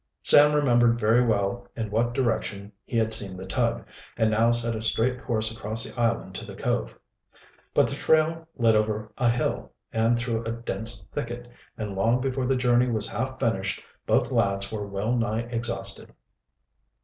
Sam remembered very well in what direction he had seen the tug, and now set a straight course across the island to the cove. But the trail led over a hill and through a dense thicket, and long before the journey was half finished both lads were well nigh exhausted.